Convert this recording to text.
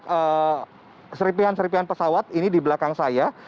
masih banyak serpihan serpihan pesawat ini di belakang saya